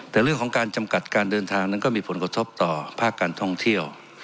แต่เรื่องของการจำกัดการเดินทางนั้นก็มีผลกระทบต่อภาคการท่องเที่ยว